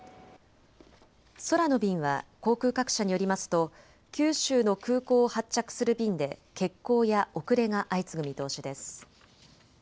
空の便は航空各社によりますと九州の空港を発着する便で欠航や遅れが相次ぐ見通しです。